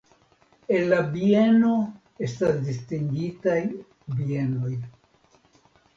El la bieno estas distingitaj bienoj.